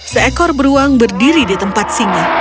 seekor beruang berdiri di tempat singa